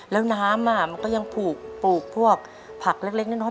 แล้วน้ำมันก็ยังปลูกพวกผักเล็กน้อย